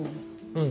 うん。